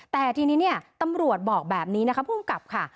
แต่ทีนี้ตำรวจบอกแบบนี้นะครับพูดกลับค่ะ